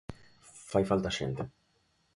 Fai falta xente.